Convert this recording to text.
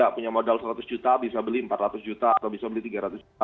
punya modal seratus juta bisa beli empat ratus juta atau bisa beli tiga ratus juta